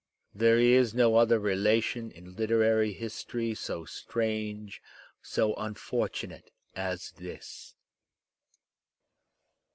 There is no other relation in liter ary history so strange, so unfortunate as this.